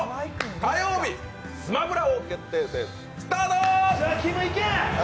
火曜日スマブラ王決定戦、スタート！